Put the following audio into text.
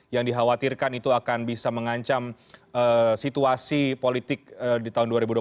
yang dikhawatirkan itu akan bisa mengancam situasi politik di tahun dua ribu dua puluh empat